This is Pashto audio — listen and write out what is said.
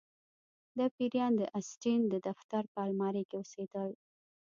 دا پیریان د اسټین د دفتر په المارۍ کې اوسیدل